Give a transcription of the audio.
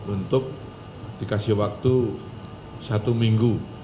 untuk dikasih waktu satu minggu